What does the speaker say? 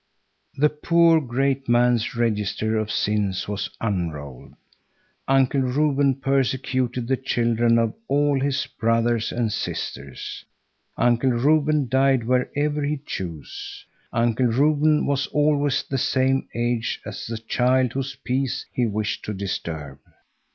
The poor, great man's register of sins was unrolled. Uncle Reuben persecuted the children of all his brothers and sisters. Uncle Reuben died wherever he chose. Uncle Reuben was always the same age as the child whose peace he wished to disturb.